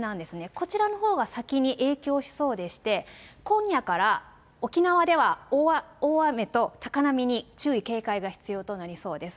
こちらのほうが先に影響しそうでして、今夜から沖縄では大雨と高波に注意、警戒が必要となりそうです。